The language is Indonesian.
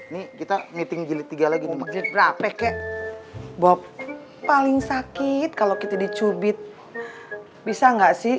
nih kita meeting jelit tiga lagi berapa kek bob paling sakit kalau kita dicubit bisa nggak sih